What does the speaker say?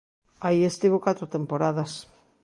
Aí estivo catro temporadas.